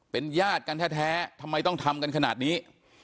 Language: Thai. เป็นญาติกันแท้ทำไมต้องทำกันขนาดนี้